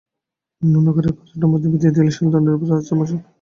নুরনগরের পাঁজরটার মধ্যে বিঁধিয়ে দিয়ে শেলদণ্ডের উপর আজ ঘোষালদের জয়পতাকা উড়েছে।